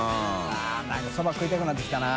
◆舛何かそば食いたくなってきたな。